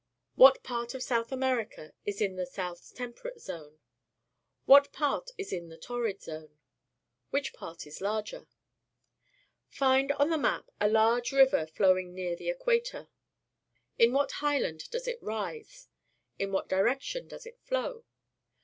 What part of South America is in the South Temperate Zone? What part in the Torrid Zone? Which part is the larger? Find on the map a large river flowing near the equator. In what highland does it rise? In what direction does it flow?